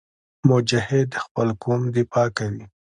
مجاهد د خپل قوم دفاع کوي.